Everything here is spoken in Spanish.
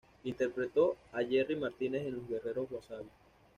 Interpretó a Jerry Martínez en "Los Guerreros Wasabi".